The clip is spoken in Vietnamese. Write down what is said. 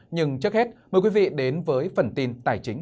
nhưng trước hết mời quý vị đến với phần tin tài chính hai mươi bốn bảy